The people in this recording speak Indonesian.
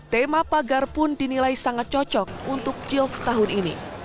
tema pagar pun dinilai sangat cocok untuk jilf tahun ini